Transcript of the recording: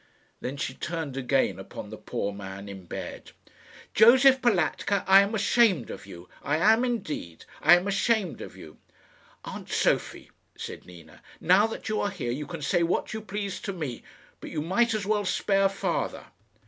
Then she turned again upon the poor man in bed. "Josef Balatka, I am ashamed of you. I am indeed I am ashamed of you." "Aunt Sophie," said Nina, "now that you are here, you can say what you please to me; but you might as well spare father."